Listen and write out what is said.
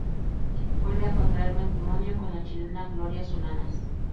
Vuelve a contraer matrimonio con la chilena Gloria Solanas.